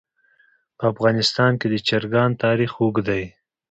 په افغانستان کې د چرګان تاریخ اوږد دی.